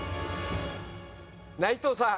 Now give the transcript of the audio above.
内藤さん。